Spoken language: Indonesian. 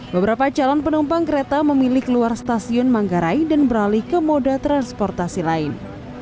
beberapa calon penumpang kereta memilih keluar stasiun manggarai dan beralih ke moda transportasi lain